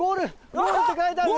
ゴールって書いてあるでしょ。